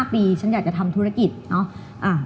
๕ปีฉันอยากจะทำธุรกิจ